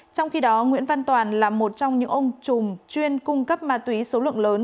trong khi đó nguyễn văn toàn là một trong những ông chùm chuyên cung cấp ma túy số lượng lớn